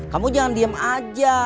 kamu jangan diem aja